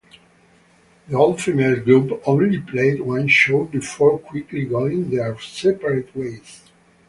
The all-female group only played one show before quickly going their separate ways.